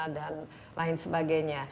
dan lain sebagainya